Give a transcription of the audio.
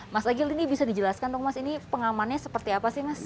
mas agil ini bisa dijelaskan dong mas ini pengamannya seperti apa sih mas